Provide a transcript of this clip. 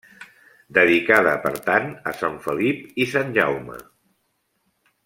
Dedicada, per tant a Sant felip i sant Jaume.